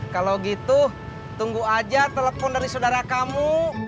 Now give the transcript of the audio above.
kalau gitu tunggu aja telepon dari saudara kamu